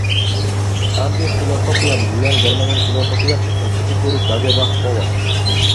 კანტის ფილოსოფიამ გვიან გერმანულ ფილოსოფიაში სპეციფიკური გაგება ჰპოვა.